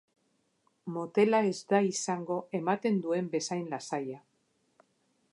Motela ez da izango ematen duen bezain lasaia.